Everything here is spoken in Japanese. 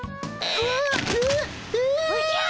おじゃ！